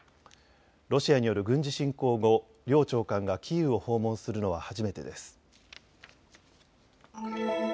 ロシアによる軍事侵攻後、両長官がキーウを訪問するのは初めてです。